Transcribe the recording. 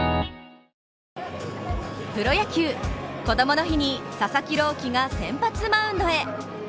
プロ野球、こどもの日に佐々木朗希が先発マウンドへ。